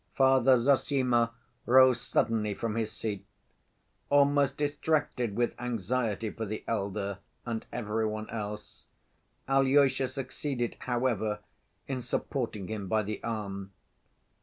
Father Zossima rose suddenly from his seat. Almost distracted with anxiety for the elder and every one else, Alyosha succeeded, however, in supporting him by the arm.